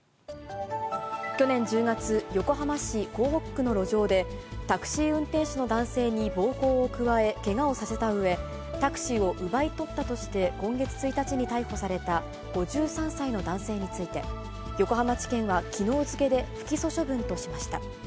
去年１０月、横浜市港北区の路上で、タクシー運転手の男性に暴行を加え、けがをさせたうえ、タクシーを奪い取ったとして今月１日に逮捕された５３歳の男性について、横浜地検はきのう付けで不起訴処分としました。